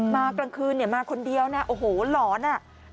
มากลางคืนมาคนเดียวโอ้โหหลอน